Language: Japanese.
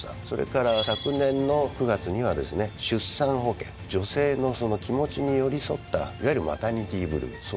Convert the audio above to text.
それから昨年の９月にはですね「出産保険」女性の気持ちに寄り添ったいわゆるマタニティーブルー